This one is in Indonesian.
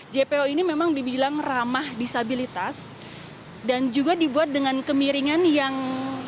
jpo ini memang dibilang ramah disabilitas dan juga dibuat dengan kemiringan yang